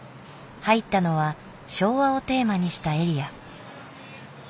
入ったのは「昭和」をテーマにしたエリア。